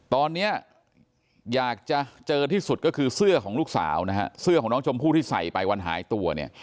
ตอนนี้อยากจะเจอที่สุดก็คือเสื้อของลูกสาวนะฮะเสื้อของน้องชมพู่ที่ใส่ไปวันหายตัวเนี่ย